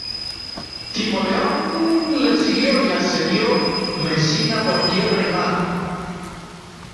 Timoleón le siguió y asedió Mesina por tierra y mar.